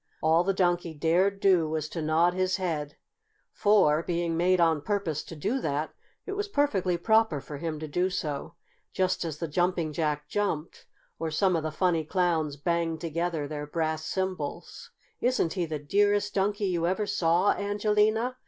All the Donkey dared do was to nod his head, for, being made on purpose to do that, it was perfectly proper for him to do so, just as the Jumping Jack jumped, or some of the funny Clowns banged together their brass cymbals. "Isn't he the dearest Donkey you ever saw, Angelina?"